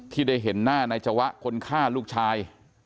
ที่ได้เห็นหน้านายจวะคนฆ่าลูกชาย